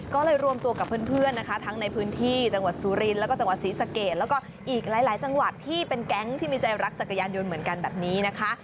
ก็เลยรวมตัวกับเพื่อนนะคะทั้งในพื้นที่จังหวัดสุรินทร์แล้วก็จังหวัดศรีสะเกดแล้วก็อีกหลายจังหวัดที่เป็นแก๊งที่มีใจรักจักรยานยนต์เหมือนกันแบบนี้นะคะ